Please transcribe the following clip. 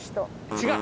違う！